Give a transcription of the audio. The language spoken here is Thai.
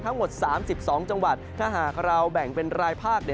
ทั้งหมด๓๒จังหวัดถ้าหากเราแบ่งเป็นรายภาค